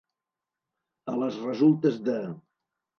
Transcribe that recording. A les resultes de.